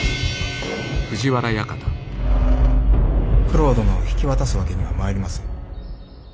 九郎殿を引き渡すわけにはまいりません。